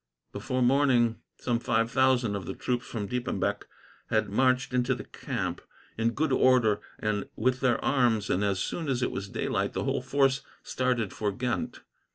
Before morning, some five thousand of the troops from Diepenbeck had marched into the camp, in good order and with their arms, and as soon as it was daylight the whole force started for Ghent.